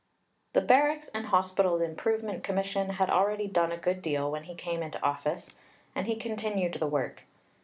The Barracks and Hospitals Improvement Commission had already done a good deal when he came into office, and he continued the work.